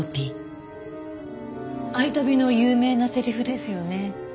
『愛旅』の有名なセリフですよね。